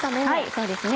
そうですね。